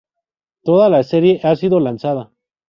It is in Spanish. Toda la serie ha sido lanzada.